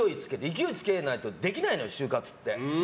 勢いつけないとできないのよ、終活って。